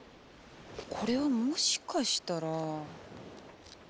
これはもしかしたら。